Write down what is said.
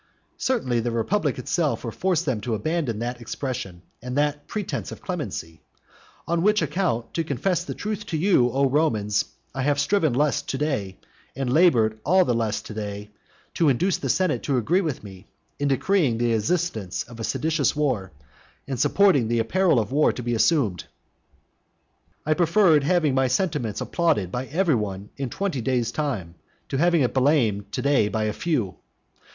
Certainly the republic itself will force them to abandon that expression and that pretence of clemency. On which account, to confess the truth to you, O Romans, I have less striven to day, and laboured all the less to day, to induce the senate to agree with me in decreeing the existence of a seditious war, and ordering the apparel of war to be assumed. I preferred having my sentiments applauded by every one in twenty days' time, to having it blamed to day by a few.